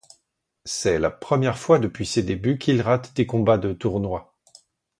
C'est la première fois depuis ses débuts qu'il rate des combats de tournoi.